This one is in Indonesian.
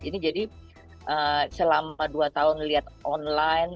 ini jadi selama dua tahun lihat online